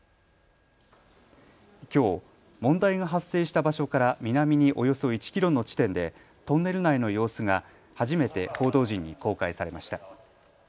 きょう、問題が発生した場所から南におよそ１キロの地点でトンネル内の様子が初めて報道陣に公開されました。